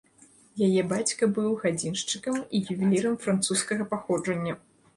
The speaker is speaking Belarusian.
Яе бацька быў гадзіншчыкам і ювелірам французскага паходжання.